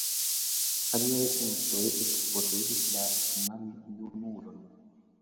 Aliaj pensoj ekposedis la maljunulon.